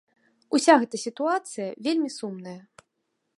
Уся гэта сітуацыя вельмі сумная.